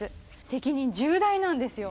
責任重大なんですよ。